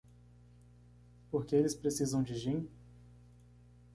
Por que eles precisam de gin?